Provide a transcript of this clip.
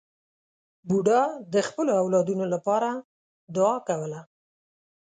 بوډا د خپلو اولادونو لپاره دعا کوله.